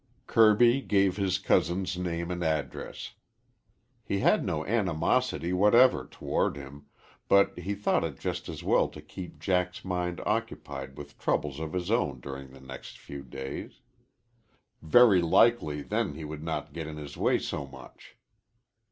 Kirby gave his cousin's name and address. He had no animosity whatever toward him, but he thought it just as well to keep Jack's mind occupied with troubles of his own during the next few days. Very likely then he would not get in his way so much.